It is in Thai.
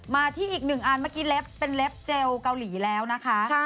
มาที่อีกหนึ่งอันเมื่อกี้เล็บเป็นเล็บเจลเกาหลีแล้วนะคะ